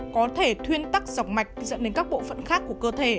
có thể thuyên tắc dọc mạch dẫn đến các bộ phận khác của cơ thể